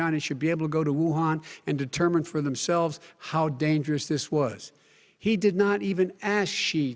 apa yang dia lakukan dia di tape dia mengakui bahwa dia tahu